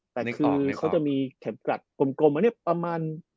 แต่นี่คือเขาจะมีเข็มกลัดกลมอันนี้ประมาณ